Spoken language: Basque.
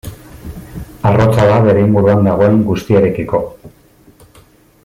Arrotza da bere inguruan dagoen guztiarekiko.